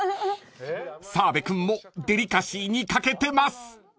［澤部君もデリカシーに欠けてます］